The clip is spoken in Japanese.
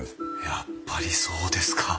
やっぱりそうですか。